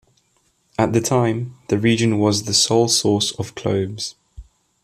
At the time, the region was the sole source of cloves.